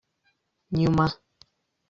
nyuma